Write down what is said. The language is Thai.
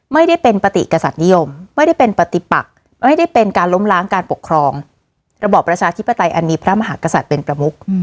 ไม่ได้เป็นปฏิกษัตริย์นิยมไม่ได้เป็นปฏิปักไม่ได้เป็นการล้มล้างการปกครองระบอบประชาธิปไตยอันมีพระมหากษัตริย์เป็นประมุก